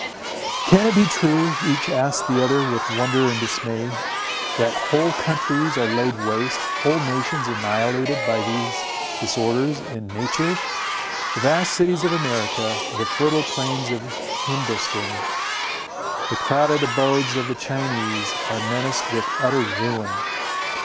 Can it be true, each asked the other with wonder and dismay, that whole countries are laid waste, whole nations annihilated, by these disorders in nature? The vast cities of America, the fertile plains of Hindostan, the crowded abodes of the Chinese, are menaced with utter ruin.